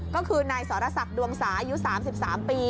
ก็คือนายสรษักดวงสาอายุ๓๓ปี